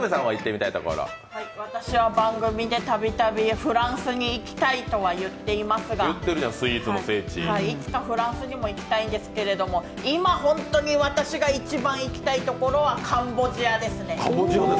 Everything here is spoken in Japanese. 私は番組でたびたびフランスに行きたいとは言っていますが、いつかフランスにも行きたいんですけれども今ホントに私が一番行きたいところはカンボジアですね。